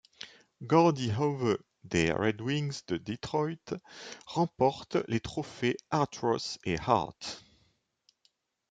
Gordie Howe des Red Wings de Détroit remporte les trophées Art Ross et Hart.